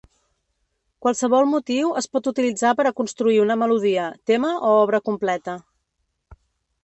Qualsevol motiu es pot utilitzar per a construir una melodia, tema o obra completa.